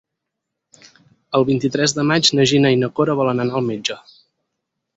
El vint-i-tres de maig na Gina i na Cora volen anar al metge.